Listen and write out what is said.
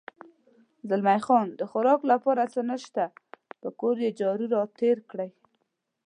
زلمی خان: د خوراک لپاره څه نشته، پر کور یې جارو را تېر کړی.